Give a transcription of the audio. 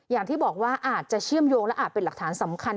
อย่างที่บอกว่าอาจจะเชื่อมโยงและอาจเป็นหลักฐานสำคัญ